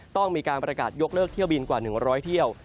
ต้องมีการประกาศยกเลิกเที่ยวบินกว่า๑๐๐เที่ยว